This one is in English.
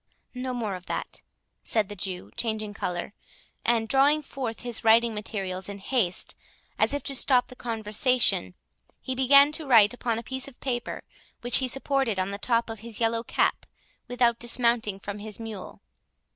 "No more of that," said the Jew, changing colour; and drawing forth his writing materials in haste, as if to stop the conversation, he began to write upon a piece of paper which he supported on the top of his yellow cap, without dismounting from his mule.